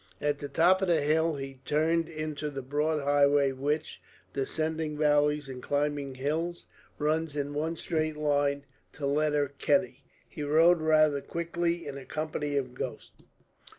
At the top of the hill he turned into the broad highway which, descending valleys and climbing hills, runs in one straight line to Letterkenny. He rode rather quickly in a company of ghosts.